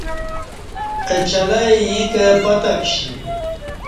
اہ چلئی ییں کہ پتہ کشی